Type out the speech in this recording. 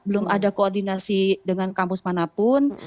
belum ada koordinasi dengan kampus manapun